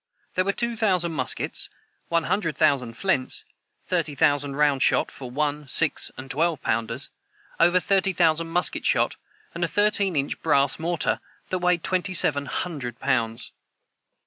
There were two thousand muskets, one hundred thousand flints, thirty thousand round shot for one, six, and twelve pounders, over thirty thousand musket shot, and a thirteen inch brass mortar that weighed twenty seven hundred pounds.